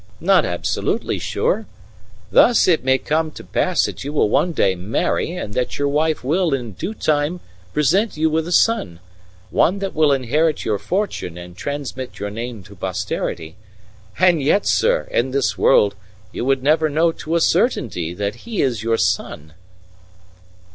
Not absolutely sure. Thus, it may come to pass that you will one day marry, and that your wife will in due time present you with a son one that will inherit your fortune and transmit your name to posterity. And yet, sir, in this world, you will never know to a certainty that he is your son."